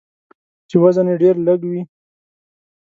چې وزن یې ډیر لږوي.